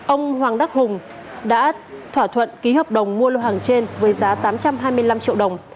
ông hoàng đắc hùng đã thỏa thuận ký hợp đồng mua lô hàng trên với giá tám trăm hai mươi năm triệu đồng